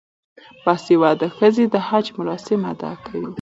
باسواده ښځې د حج مراسم ادا کوي.